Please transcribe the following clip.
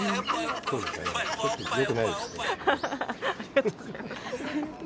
ハハハありがとうございます。